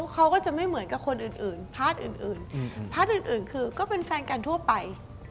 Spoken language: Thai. เขาก็จะไม่เหมือนกับคนอื่นพาร์ทอื่นพาร์ทอื่นคือก็เป็นแฟนกันทั่วไป